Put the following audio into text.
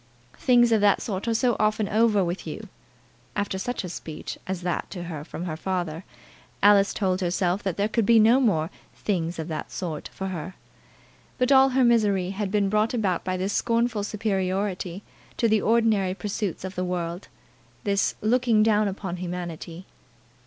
"Things of that sort are so often over with you!" After such a speech as that to her from her father, Alice told herself that there could be no more "things of that sort" for her. But all her misery had been brought about by this scornful superiority to the ordinary pursuits of the world, this looking down upon humanity.